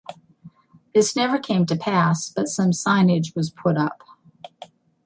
This never came to pass, but some signage was put up.